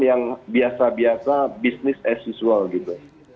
yang biasa biasa business as usual gitu